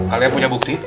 kalian punya bukti